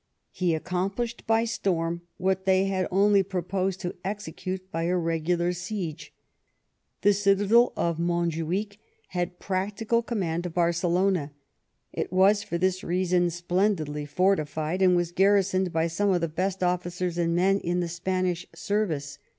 He accomplished by storm what they had only proposed to execute by a regular siege. The citadel of Monjuich had practical conunand of Barcelona. It was for this reason splendidly fortified, and was garrisoned by some of the best o£Scers and men in the Spanish service.